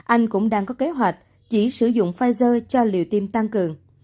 anh cũng đang có kế hoạch chỉ sử dụng pfizer cho liều tiêm tăng cường